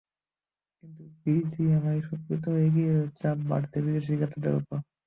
কিন্তু বিজিএমইএ সক্রিয় হয়ে এগিয়ে এলে চাপ বাড়ত বিদেশি ক্রেতাদের ওপর।